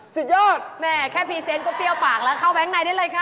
สุดยอดแม่แค่พรีเซนต์ก็เปรี้ยวปากแล้วเข้าแบงค์ในได้เลยค่ะ